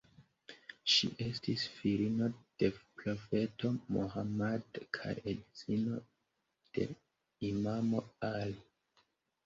Ŝi estis filino de profeto Mohammad kaj edzino de imamo Ali.